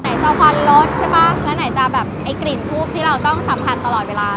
จะควันรสใช่ป่ะแล้วไหนจะแบบไอ้กลิ่นทูบที่เราต้องสัมผัสตลอดเวลา